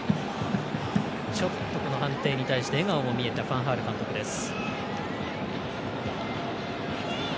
ちょっと、この判定に対して笑顔も見えましたファン・ハール監督です。